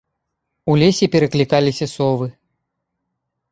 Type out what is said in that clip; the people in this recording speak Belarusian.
У лесе пераклікаліся совы.